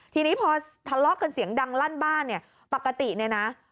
ทีนี้พอทะเลาะกันเสียงดังลั่นบ้านเนี่ยปกติเนี่ยนะ